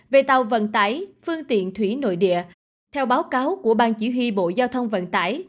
về tàu vận tải phương tiện thủy nội địa theo báo cáo của bang chỉ huy bộ giao thông vận tải